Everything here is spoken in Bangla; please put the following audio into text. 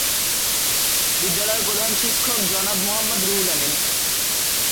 বিদ্যালয়ের প্রধান শিক্ষক জনাব মোহাম্মদ রুহুল আমিন।